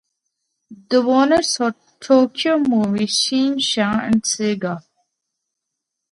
The owners are Tokyo Movie Shinsha and Sega.